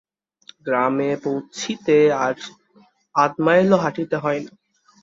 গ্রামে পৌছিতে আর আধ মাইলও হাটিতে হয় না।